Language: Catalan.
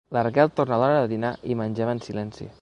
La Raquel torna a l'hora de dinar i mengem en silenci.